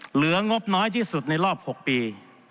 เหลืองบน้อยที่สุดในรอบหกปี